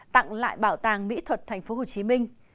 tặng lại bảo tàng mỹ thuật tp hcm